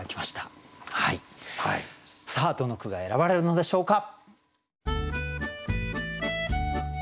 どの句が選ばれるのでしょうか。